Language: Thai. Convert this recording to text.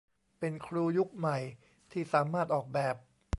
เป็นครูยุคใหม่ที่สามารถออกแบบ